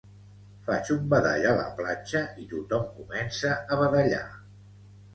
Faig un badall a la platja i tothom comença a badallar